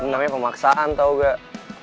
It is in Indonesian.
namanya pemaksaan tau gak